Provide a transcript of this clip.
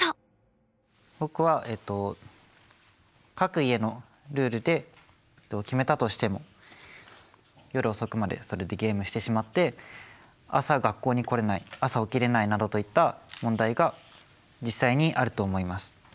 僕は各家のルールで決めたとしても夜遅くまでそれでゲームしてしまって朝学校に来れない朝起きれないなどといった問題が実際にあると思います。